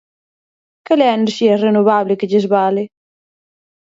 ¿Cal é a enerxía renovable que lles vale?